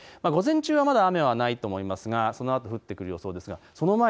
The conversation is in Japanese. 午前中はまだ雨がないと思いますがそのあと降ってくると思います。